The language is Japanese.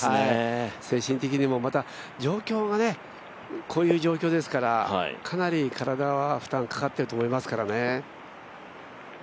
精神的にもまたこういう状況ですからこういう状況ですからかなり体は負担かかっていると思いますからね。